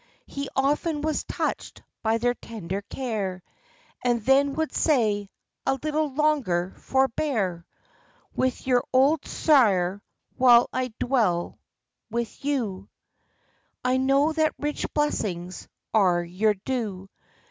He often was touched by their tender care, And then would say, "A little longer forbear With your old sire, while I dwell with you; I know that rich blessings are your due.